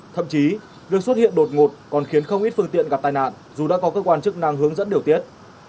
thậm chí việc xuất hiện đột ngột còn khiến không ít phương tiện gặp tai nạn dù đã có cơ quan chức năng hướng dẫn điều tiết